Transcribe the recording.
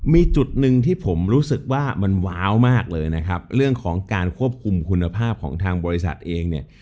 มีจุดหนึ่งที่ผมรู้สึกว่ามันว้าวมากเลยนะครับเรื่องของการควบคุมคุณภาพของทางบริษัทเองเนี่ย